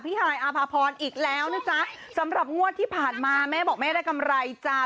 ฮายอาภาพรอีกแล้วนะจ๊ะสำหรับงวดที่ผ่านมาแม่บอกแม่ได้กำไรจ้า